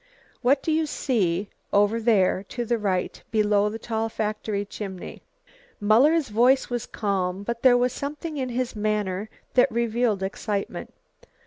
What do you see over there to the right, below the tall factory chimney?" Muller's voice was calm, but there was something in his manner that revealed excitement.